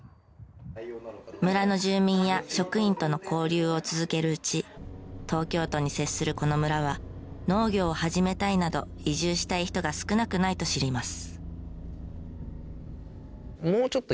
村の住民や職員との交流を続けるうち東京都に接するこの村は農業を始めたいなど移住したい人が少なくないと知ります。